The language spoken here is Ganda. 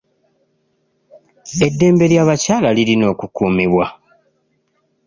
Eddembe ly'abakyala lirina okukuumibwa.